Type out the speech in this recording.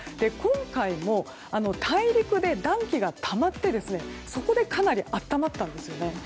今回も大陸で暖気がたまってそこでかなり暖まったんですよね。